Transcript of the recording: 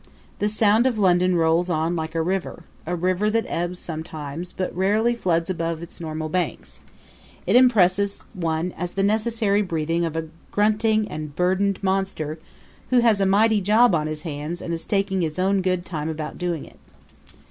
The sound of London rolls on like a river a river that ebbs sometimes, but rarely floods above its normal banks; it impresses one as the necessary breathing of a grunting and burdened monster who has a mighty job on his hands and is taking his own good time about doing it.